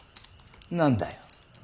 何だよ。